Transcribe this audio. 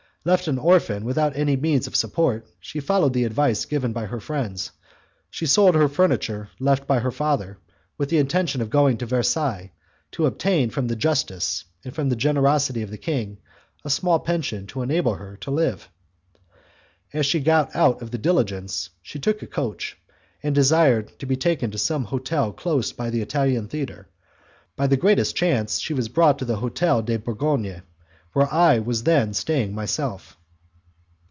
Left an orphan without any means of support, she followed the advice given by her friends; she sold the furniture left by her father, with the intention of going to Versailles to obtain from the justice and from the generosity of the king a small pension to enable her to live. As she got out of the diligence, she took a coach, and desired to be taken to some hotel close by the Italian Theatre; by the greatest chance she was brought to the Hotel de Bourgogne, where I was then staying myself.